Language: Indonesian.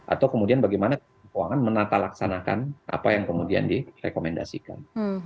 atau kemudian bagaimana kementerian keuangan menatalaksanakan apa yang kemudian direkomendasikan